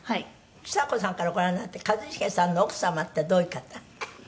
「ちさ子さんからご覧になって一茂さんの奥様ってどういう方？」